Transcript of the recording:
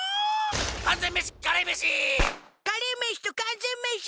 完全メシカレーメシカレーメシと完全メシ